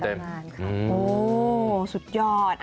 โหสุดยอด